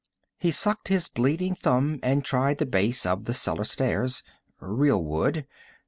He sucked his bleeding thumb and tried the base of the cellar stairs. Real wood.